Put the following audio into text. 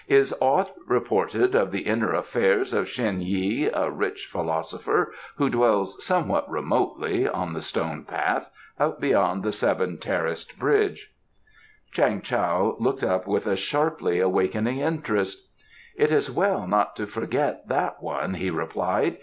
Is aught reported of the inner affairs of Shen Yi, a rich philosopher who dwells somewhat remotely on the Stone Path, out beyond the Seven Terraced Bridge?" Chang Tao looked up with a sharply awakening interest. "It is well not to forget that one," he replied.